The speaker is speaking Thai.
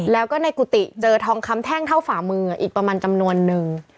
แล้วก็ในกุฏิเจอทองคำแท่งเท่าฝ่ามืออีกประมาณจำนวนนึง